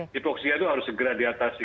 hipoksia itu harus segera diatasi